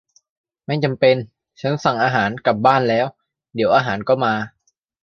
ไม่จำเป็น ฉันสั่งอาหารกลับบ้านแล้ว เดี๋ยวอาหารก็มา